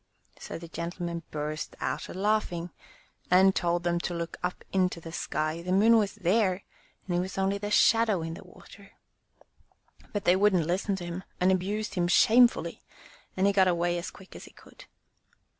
So the gentleman burst out a laughing, and told them to look up into the sky, the moon was there and it was only the shadow in the water. But they wouldn't listen to him, and abused him diamefuUy, and he got away as quick as he could.